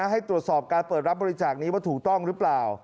ให้ตรวจสอบการเปิดรับบริจาคนี้ว่าถูกต้องหรือเปล่า